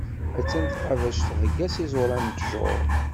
A-tt-an tqabact thegga s iẓuran n ṭṭjuṛ.